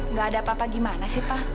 nggak ada apa apa gimana sih pak